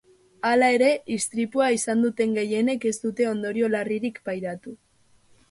Hala ere, istripua izan duten gehienek ez dute ondorio larririk pairatu.